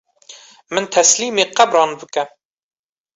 Min teslîmê qebran bike